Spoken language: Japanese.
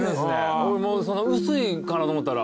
俺薄いかなと思ったら。